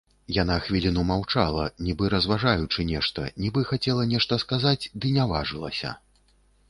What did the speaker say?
Яна хвіліну маўчала, нібы разважаючы нешта, нібы хацела нешта сказаць, ды не важылася.